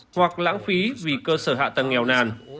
hoặc lãng phí vì cơ sở hạ tầng nghèo nàn